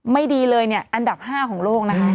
ไม่ดีเลยเนี่ยอันดับ๕ของโลกนะคะ